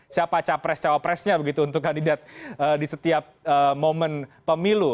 siapa capres cawapresnya begitu untuk kandidat di setiap momen pemilu